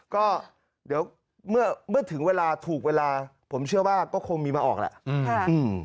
ก็เดี๋ยวเมื่อถึงเวลาถูกเวลาผมเชื่อว่าก็คงมีมาออกแหละ